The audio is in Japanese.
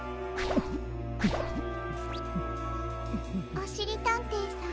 おしりたんていさん